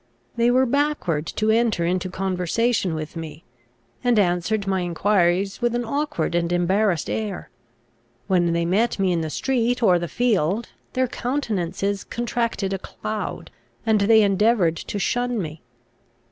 They were backward to enter into conversation with me, and answered my enquiries with an awkward and embarrassed air. When they met me in the street or the field, their countenances contracted a cloud, and they endeavoured to shun me.